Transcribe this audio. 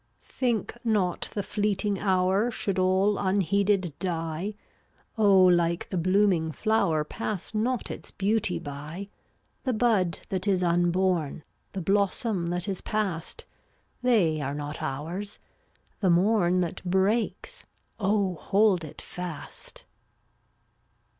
mnc$ 2JJ Think not the fleeting hour (fowtAY Should all unheeded die; CD Oh, like the blooming flower \Jv£' Pass not its beauty by. The bud that is unborn, The blossom that is past — They are not ours; the morn That breaks, oh hold it fast.